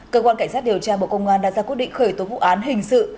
cơ quan cảnh sát điều tra bộ công an đã ra quyết định khởi tố vụ án hình sự